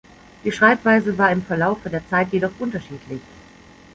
Die Schreibweise war im Verlaufe der Zeit jedoch unterschiedlich.